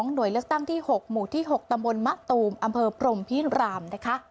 หน่วยเลือกตั้งที่๖หมู่ที่๖ตำบลมะตูมอปรมพิราม